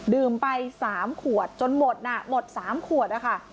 ดื่มไปสามขวดจนหมดน่ะหมดสามขวดอะค่ะ